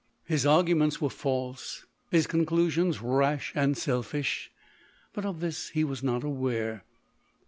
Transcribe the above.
His arguments were false, his conclusions rash and selfish ; but of this he was not aware.